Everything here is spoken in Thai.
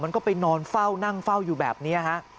มันก็ไปนอนเฝ้านั่งเฝ้าอยู่แบบนี้